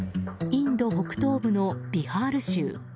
インド北東部のビハール州。